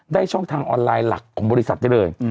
ช่องทางออนไลน์หลักของบริษัทได้เลย